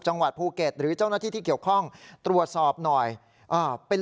จังหวัดภูเก็ตหรือเจ้าหน้าที่ที่เกี่ยวข้องตรวจสอบหน่อยเป็น